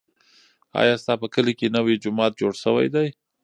ایا ستا په کلي کې نوی جومات جوړ شوی دی؟